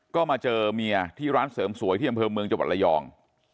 ก็มาเจอเมียที่ร้านเสริมสวยที่อำเภอเมืองจังหวัดระยอง